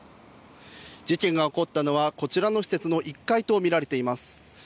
事件が起こったのは、こちらの施設の１階と見られています。